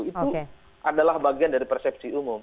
itu adalah bagian dari persepsi umum